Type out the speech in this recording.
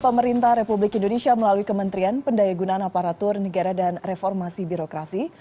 pemerintah republik indonesia melalui kementerian pendaya gunaan aparatur negara dan reformasi birokrasi